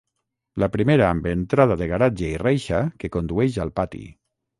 La primera amb entrada de garatge i reixa que condueix al pati.